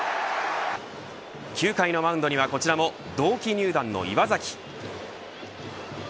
９回のマウンドにはこちらも同期入団の岩崎。